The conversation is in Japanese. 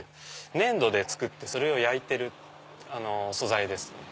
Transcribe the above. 粘土で作ってそれを焼いてる素材ですね。